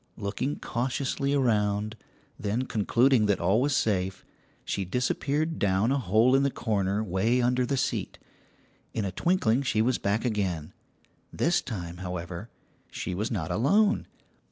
Looking cautiously around, then concluding that all was safe, she disappeared down a hole in a corner way under the seat. In a twinkling she was back again; this time, however, she was not alone.